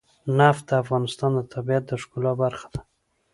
نفت د افغانستان د طبیعت د ښکلا برخه ده.